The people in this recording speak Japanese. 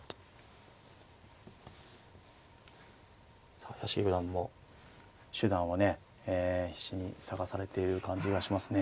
さあ屋敷九段も手段はねえ必死に探されている感じがしますね。